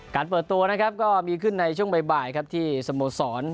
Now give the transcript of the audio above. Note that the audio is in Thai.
เปิดตัวนะครับก็มีขึ้นในช่วงบ่ายครับที่สโมสร